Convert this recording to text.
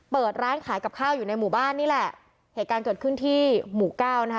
เปิดร้านขายกับข้าวอยู่ในหมู่บ้านนี่แหละเหตุการณ์เกิดขึ้นที่หมู่เก้านะคะ